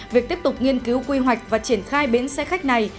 việc tiếp tục nghiên cứu quy hoạch và triển khai bến xe khách này